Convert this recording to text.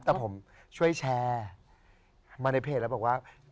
แต่ผมช่วยแชร์มาในเพจแล้วบอกว่า